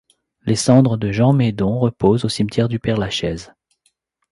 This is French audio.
Les cendres de Jean Maydon reposent au cimetière du Père-Lachaise.